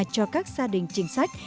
cho các gia đình chính sách